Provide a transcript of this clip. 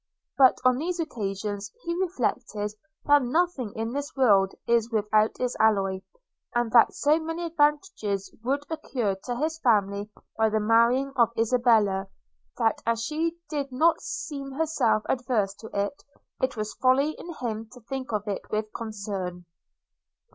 But on these occasions he reflected that nothing in this world is without its alloy; and that so many advantages would accrue to his family by the marriage of Isabella, that as she did not seem herself averse to it, it was folly in him to think of it with concern.